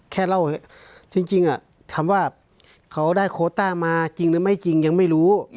แค่เล่าจริงถามว่าเขาได้โคต้ามาจริงหรือไม่จริงยังไม่รู้